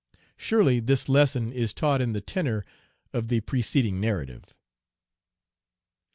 Surely this lesson is taught in the tenor of the preceding narrative.